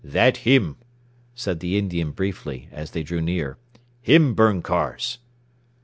"That him!" said the Indian briefly as they drew near. "Him burn cars!"